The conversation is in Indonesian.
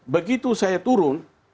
begitu saya turun